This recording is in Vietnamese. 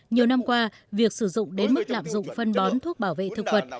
nhiều năm qua việc sử dụng đến mức lạm dụng phân bón thuốc bảo vệ thực vật